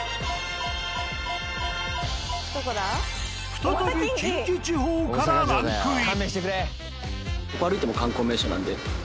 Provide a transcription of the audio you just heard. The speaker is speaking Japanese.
再び近畿地方からランクイン。